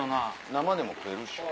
生でも食えるっしょ。